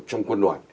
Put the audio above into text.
trong quân loại